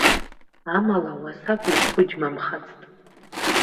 Амала уасак зқәыџьмамхацт.